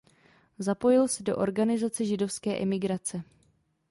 Zapojil se do organizace židovské emigrace.